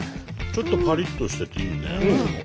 ちょっとパリッとしてていいね。